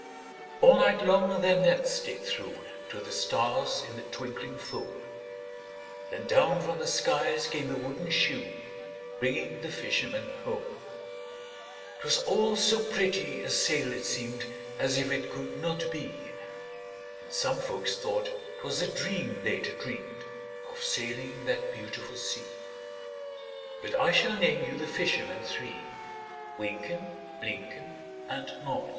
All night long their nets they threw To the stars in the twinkling foam,— Then down from the skies came the wooden shoe, Bringing the fishermen home: 'Twas all so pretty a sail, it seemed As if it could not be; And some folk thought 'twas a dream they'd dreamed Of sailing that beautiful sea; But I shall name you the fishermen three: Wynken, Blynken, And Nod.